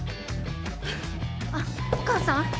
あっお母さん？